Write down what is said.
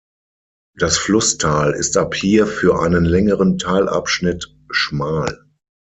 Das Flusstal ist ab hier für einen längeren Teilabschnitt schmal.